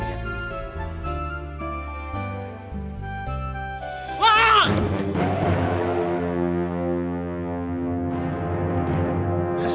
terima kasih papa